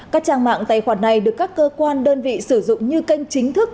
các trang mạng tài khoản này được các cơ quan đơn vị sử dụng như kênh chính thức